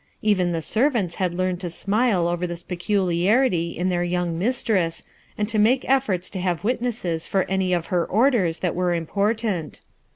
Even the servants had learned to smile over this peculiarity in their young mistress, and to make efforts to have witnesses for any of her orders that were important.